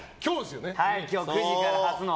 今日の９時から初の。